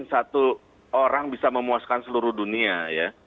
tidak mungkin satu orang bisa memuaskan seluruh dunia ya